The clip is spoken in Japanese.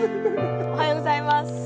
おはようございます。